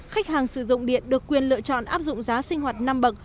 khách hàng sử dụng điện được quyền lựa chọn áp dụng giá sinh hoạt năm bậc